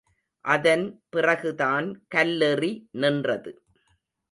அதன் பிறகுதான் கல்லெறி நின்றது.